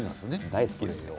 大好きです。